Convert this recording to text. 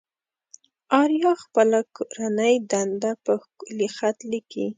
آريا خپله کورنۍ دنده په ښکلي خط ليكي.